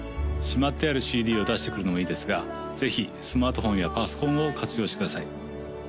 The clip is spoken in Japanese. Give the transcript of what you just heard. しまってあるＣＤを出してくるのもいいですがぜひスマートフォンやパソコンを活用してください